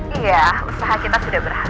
iya usaha kita sudah berhasil